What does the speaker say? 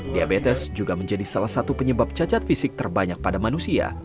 diabetes juga menjadi salah satu penyebab cacat fisik terbanyak pada manusia